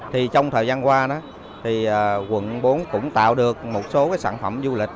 trong thời gian qua quận bốn cũng tạo được một số sản phẩm du lịch